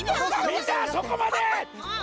みんなそこまで！